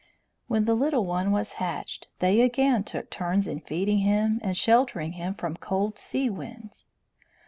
When the little one was hatched they again took turns in feeding him and sheltering him from cold sea winds.